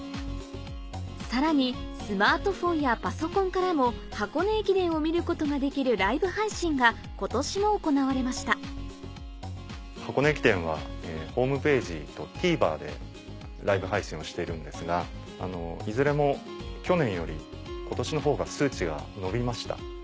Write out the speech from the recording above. さらにスマートフォンやパソコンからも箱根駅伝を見ることができるライブ配信が今年も行われました箱根駅伝はホームページとＴＶｅｒでライブ配信をしてるんですがいずれも去年より今年のほうが数値が伸びました。